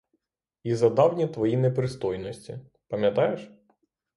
І за давні твої непристойності — пам'ятаєш?